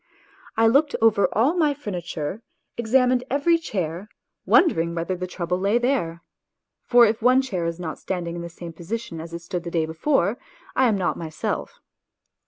I looked over all my furniture, examined every chair, wondering whether the trouble lay there (for if one chair is not standing in the same position as it stood the day before, I am not myself).